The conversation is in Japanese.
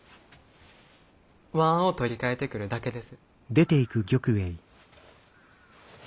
椀を取り替えてくるだけです！